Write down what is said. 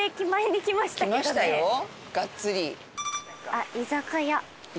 あっ居酒屋。